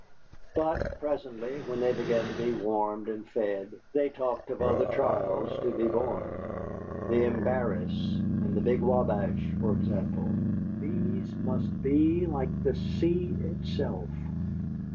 But presently, when they began to be warmed and fed, they talked of other trials to be borne. The Embarrass and the big Wabash, for example. These must be like the sea itself.